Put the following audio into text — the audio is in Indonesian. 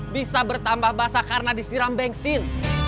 bisa bertambah basah karena disiram bensin